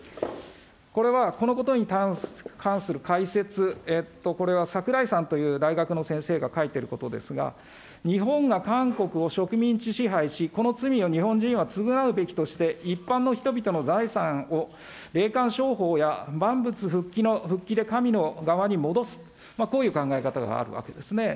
これは、このことに関する解説、これはさくらいさんという大学の先生が書いてることですが、日本が韓国を植民地支配し、この罪を日本人は償うべきとして、一般の人々の財産を霊感商法や万物復帰で神の側に戻す、こういう考え方があるわけですね。